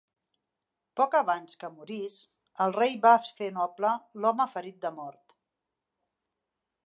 Poc abans que morís, el rei va fer noble l'home ferit de mort.